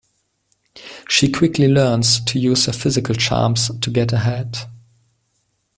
She quickly learns to use her physical charms to get ahead.